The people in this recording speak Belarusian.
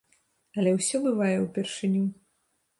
Але ўсё бывае ўпершыню.